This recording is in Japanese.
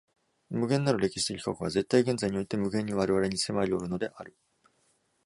無限なる歴史的過去が絶対現在において無限に我々に迫りおるのである。